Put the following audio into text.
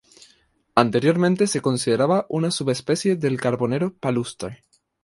Anteriormente se consideraba una subespecie del carbonero palustre.